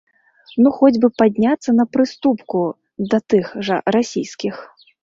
Ну хоць бы падняцца на прыступку да тых жа расійскіх?